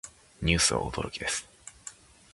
ニュースは驚きです。